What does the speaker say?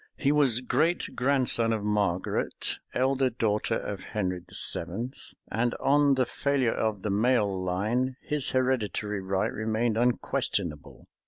He was great grandson of Margaret, elder daughter of Henry VII.; and, on the failure of the male line, his hereditary right remained unquestionable.